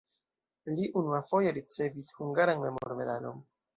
Li unuafoje ricevis hungaran memormedalon.